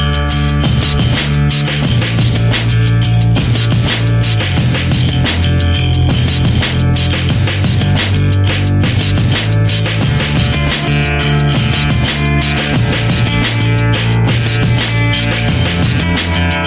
หรือทรัพย์ที่มีอยู่ในวัด